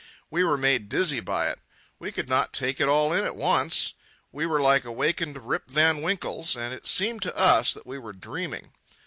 We were made dizzy by it. We could not take it all in at once. We were like awakened Rip Van Winkles, and it seemed to us that we were dreaming.